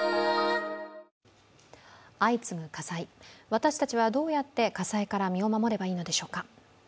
私たちはどうやって火災から身を守ればいいのでしょうか。